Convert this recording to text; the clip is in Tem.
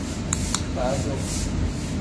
Fadu.